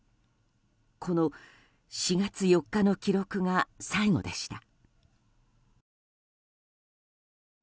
この４月４日の記録が最後でした。